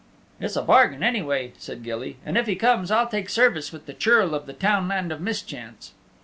"It's a bargain anyway," said Gilly, "and if he comes I'll take service with the Churl of the Townland of Mischance."